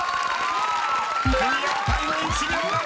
［クリアタイム１秒７。